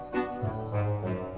nih tinggi dah